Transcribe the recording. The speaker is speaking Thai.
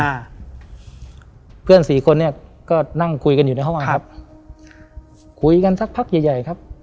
อ่าเพื่อนสี่คนเนี้ยก็นั่งคุยกันอยู่ในห้องครับคุยกันสักพักใหญ่ใหญ่ครับ